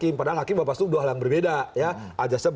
maka luar biasa